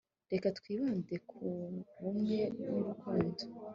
reka twibande ku bumwe n'urukundo